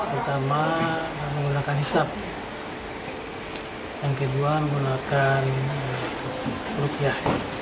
yang kedua menggunakan rupiah